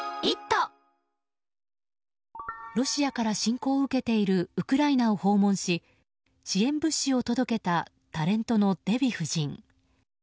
ロシアから侵攻を受けているウクライナを訪問し支援物資を届けたタレントのデヴィ夫人。